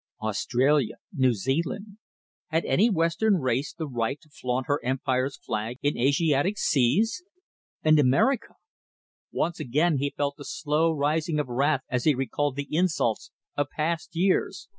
Australia. New Zealand! Had any Western race the right to flaunt her Empire's flag in Asiatic seas? And America! Once again he felt the slow rising of wrath as he recalled the insults of past years